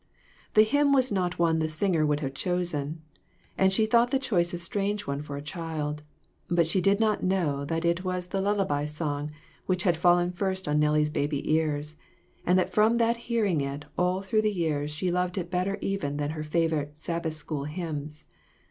The hymn was not one the singer would have chosen, and she thought the choice a strange one for a child, but she did not know that it was the lullaby song which had fallen first on Nellie's baby ears, and that from hearing it all through the years she loved it better even than her favorite Sabbath School hymns.